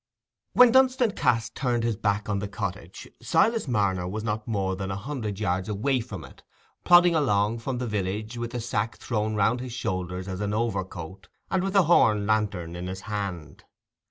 When Dunstan Cass turned his back on the cottage, Silas Marner was not more than a hundred yards away from it, plodding along from the village with a sack thrown round his shoulders as an overcoat, and with a horn lantern in his hand.